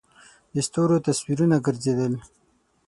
د ستورو تصویرونه گرځېدل.